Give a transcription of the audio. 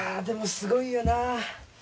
でもすごいよな。